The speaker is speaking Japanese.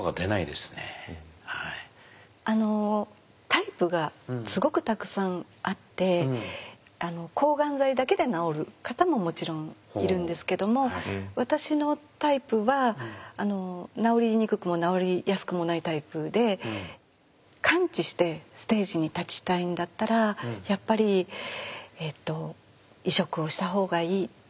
タイプがすごくたくさんあって抗がん剤だけで治る方ももちろんいるんですけども私のタイプは治りにくくも治りやすくもないタイプで完治してステージに立ちたいんだったらやっぱり移植をした方がいい。